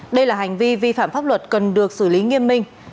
đây là hành vi vi phạm pháp luật cần được xử lý nghiêm minh